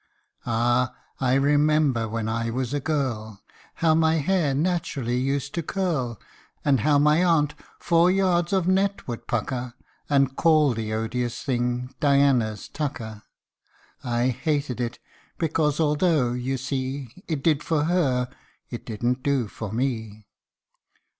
AH ! I remember when I was a girl How my hair naturally used to curl, And how my aunt four yards of net would pucker, And call the odious thing, ' Diana's tucker." 1 I hated it, because although, you see, It did for her, it didn't do for me.